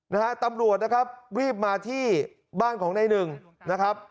นะฮะตำรวจนะครับรีบมาที่บ้านของในหนึ่งนะครับ